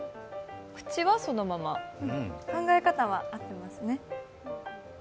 口はそのまま考え方は合ってますね。